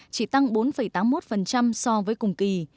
chỉ tăng bốn tám mươi một so với cùng kỳ